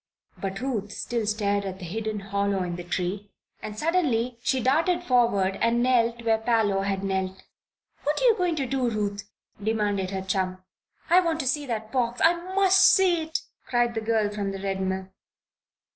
But Ruth still stared at the hidden hollow in the tree and suddenly she darted forward and knelt where Parloe had knelt. "What are you going to do, Ruth?" demanded her chum. "I want to see that box I must see it!" cried the girl from the Red Mill.